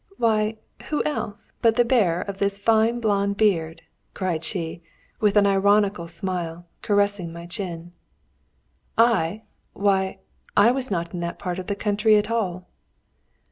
"Why, who else but the bearer of this fine blonde beard!" cried she, with an ironical smile, caressing my chin. "I? Why, I was not in that part of the country at all."